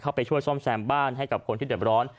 เข้าไปช่วยซ่อมแซมบ้านให้กับคนที่เด็บร้อน